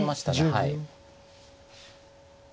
はい。